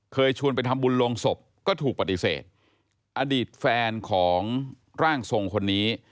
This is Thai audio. ชวนไปทำบุญลงศพก็ถูกปฏิเสธอดีตแฟนของร่างทรงคนนี้